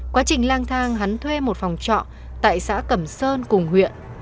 quá trình lang thang hắn thuê một phòng trọ tại xã cẩm sơn cùng huyện